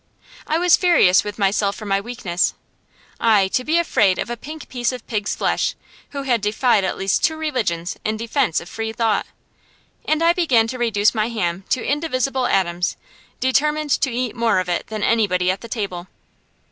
I was furious with myself for my weakness. I to be afraid of a pink piece of pig's flesh, who had defied at least two religions in defence of free thought! And I began to reduce my ham to indivisible atoms, determined to eat more of it than anybody at the table.